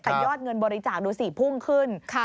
แต่ยอดเงินบริจาคดูสิพุ่งขึ้น